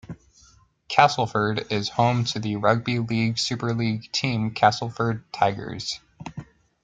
Castleford is home to the rugby league Super League team Castleford Tigers.